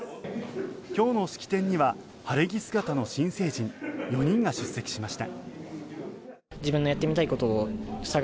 今日の式典には晴れ着姿の新成人４人が出席しました。